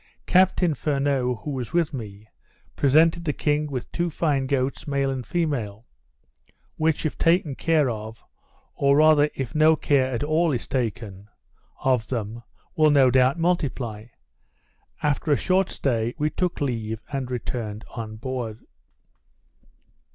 Captain Furneaux, who was with me, presented the king with two fine goats, male and female, which if taken care of, or rather if no care at all is taken of them will no doubt multiply. After a short stay, we look leave and returned on board.